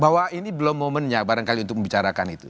bahwa ini belum momennya barangkali untuk membicarakan itu